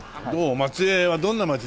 松江はどんな町ですか？